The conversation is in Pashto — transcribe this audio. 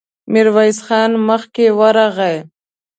ميرويس خان مخکې ورغی.